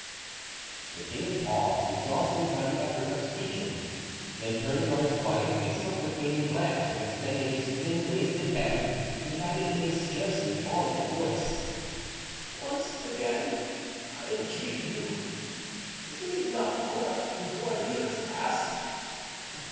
The king paused, exhausted by the effort of speaking; then turning on his wife a supplicating glance and extending his thin wasted hand, he added in a scarcely audible voice: "Once again I entreat you, leave not the court before a year has passed.